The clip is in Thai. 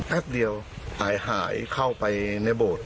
แป๊บเดียวหายเข้าไปในโบสถ์